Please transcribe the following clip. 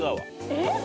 えっ⁉